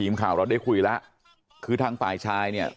ทีมข่าวเราได้คุยแล้วคือทางฝ่ายชายเนี่ย